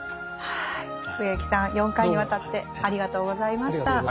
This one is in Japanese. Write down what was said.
植木さん４回にわたってありがとうございました。